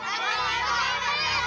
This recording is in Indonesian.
mas tuhu daftarkan nyawa